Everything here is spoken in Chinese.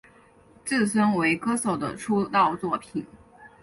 自身为歌手的出道作品。